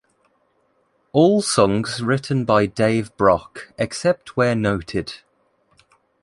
All songs written by Dave Brock except where noted.